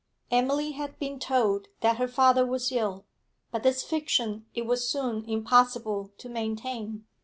Emily had been told that her father was ill, but this fiction it was soon impossible to maintain.